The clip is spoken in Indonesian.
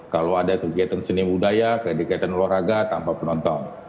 kalau ada kegiatan seni budaya kegiatan olahraga tanpa penonton